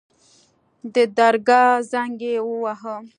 د درګاه زنګ يې وواهه.